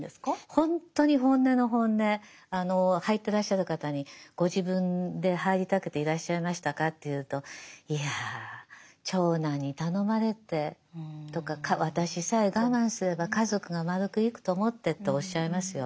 ほんとに本音の本音入ってらっしゃる方にご自分で入りたくていらっしゃいましたかっていうと「いや長男に頼まれて」とか「私さえ我慢すれば家族がまるくいくと思って」っておっしゃいますよ。